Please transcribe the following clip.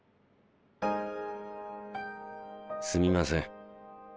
すみません